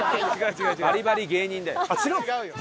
バリバリ芸人だよ。